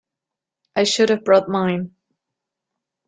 I should have brought mine.